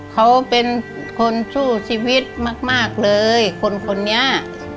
เขาเป็นคนสู้ชีวิตมากเลยคนคนนี้